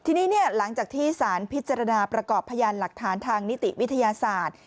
ทีนี้หลังจากที่สารพิจารณาประกอบพยานหลักฐานทางนิติวิทยาศาสตร์